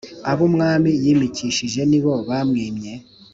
Abumwami yakamiye nibo bamwimye